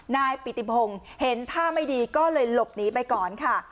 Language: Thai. นายปิติพงศ์เห็นท่าไม่ดีก็เลยหลบหนีไปก่อนค่ะ